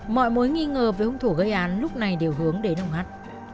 mọi mối nghi ngờ về hung thủ gây án lúc này đều hướng đến ông hắt